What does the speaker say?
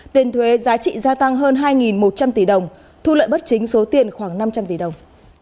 tiền thuế giá trị gia tăng hơn hai một trăm linh tỷ đồng thu lợi bất chính số tiền khoảng năm trăm linh tỷ đồng